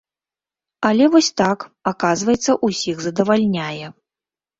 Але вось так, аказваецца, усіх задавальняе.